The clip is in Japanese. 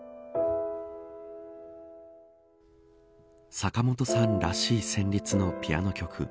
坂本さんらしい旋律のピアノ曲。